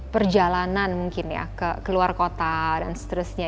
perjalanan mungkin ya ke luar kota dan seterusnya